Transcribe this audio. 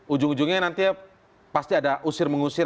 ujung ujungnya nanti pasti ada usir mengusir